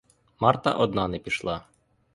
Марта одна не пішла.